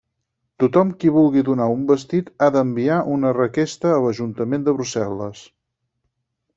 Tothom qui vulgui donar un vestit ha d'enviar una requesta a l'Ajuntament de Brussel·les.